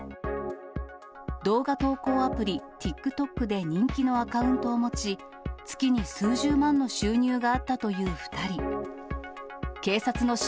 動画投稿アプリ、ＴｉｋＴｏｋで人気のアカウントを持ち、月に数十万の収入があったという２人。